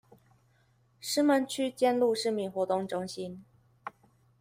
石門區尖鹿市民活動中心